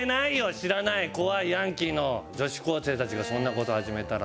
知らない怖いヤンキーの女子高生たちがそんな事始めたら。